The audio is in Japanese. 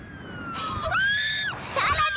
［さらに！］